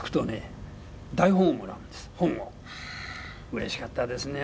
うれしかったですね